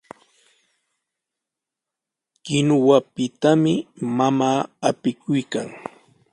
Kinuwapitami mamaa apikuykan.